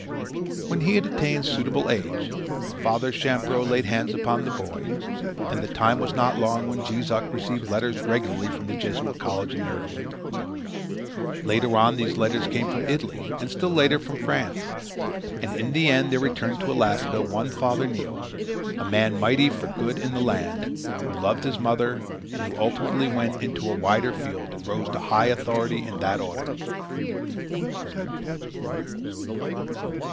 When he had attained suitable age, Father Champreau laid hands upon the boy, and the time was not long when Jees Uck received letters regularly from the Jesuit college in Maryland. Later on these letters came from Italy, and still later from France. And in the end there returned to Alaska one Father Neil, a man mighty for good in the land, who loved his mother and who ultimately went into a wider field and rose to high authority in the order.